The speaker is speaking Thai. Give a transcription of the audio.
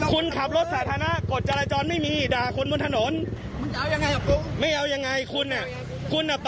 คุณขับรถสาธารณะกดจารกรรมไม่มีด่าคนมือทางถนน